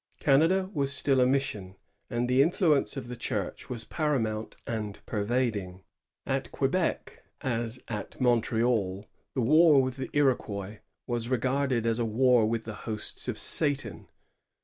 Canada was still a mission, and the influence of the Church was paramount and pervading. At Quebec, as at Montreal, the war with the Iroquois was regarded as a war with the hosts of Satan.